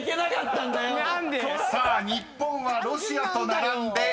［さあ「日本」はロシアと並んで２８人］